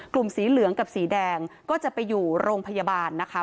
สีเหลืองกับสีแดงก็จะไปอยู่โรงพยาบาลนะคะ